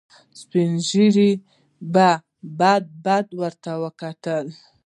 سپين ږيرو به بد بد ورته وکتل.